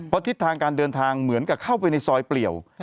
เพราะทิศทางการเดินทางเหมือนกับเข้าไปในซอยเปลี่ยว